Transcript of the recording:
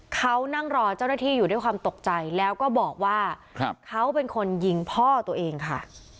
เขานั่งรอเจ้าหน้าที่อยู่ด้วยความตกใจแล้วก็บอกว่าเขาเป็นคนยิงพ่อตัวเองค่ะ